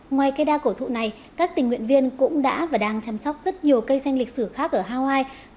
ngoài cây đa cổ thụ này các tình nguyện viên cũng đã và đang chăm sóc rất nhiều cây xanh lịch sử khác ở hawaii